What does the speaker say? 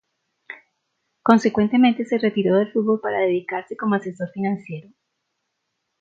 Consecuentemente se retiró del fútbol para dedicarse como asesor financiero.